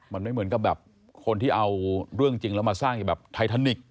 มันไม่เหมือนกับแบบคนที่เอาเรื่องจริงแล้วมาสร้างแบบไททานิกส